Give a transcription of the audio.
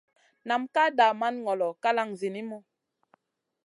Nam ka daman ŋolo kalang zinimu.